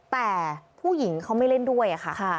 แต่ผู้หญิงเขาไม่เล่นด้วยค่ะ